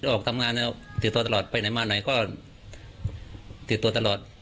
ออกทำงานแล้วติดตัวตลอดไปไหนมาไหนก็ติดตัวตลอด